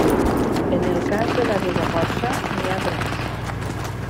En el cas de la Ribagorça n'hi ha tres.